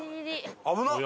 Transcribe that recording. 危なっ！